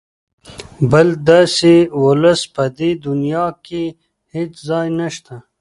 بل داسې ولس په دې دونیا کې هېڅ ځای نشته.